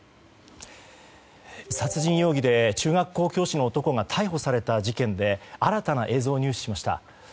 殺人容疑で中学校教師の男が逮捕された事件で新たな映像を入手しました。